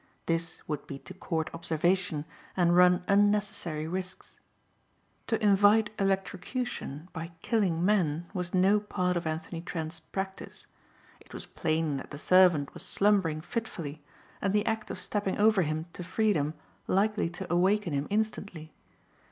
This would be to court observation and run unnecessary risks. To invite electrocution by killing men was no part of Anthony Trent's practice. It was plain that the servant was slumbering fitfully and the act of stepping over him to freedom likely to awaken him instantly.